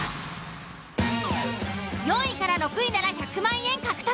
４位６位なら１００万円獲得！